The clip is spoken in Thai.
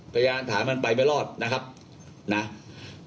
พยายามถามมันไปไม่รอดนะครับครับผมมีอันถาม